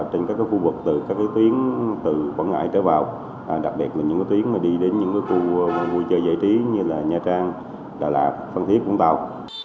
trên các khu vực từ các tuyến quảng ngại trở vào đặc biệt là những tuyến đi đến những khu vui chơi giải trí như nha trang đà lạt thang thiết vũng tàu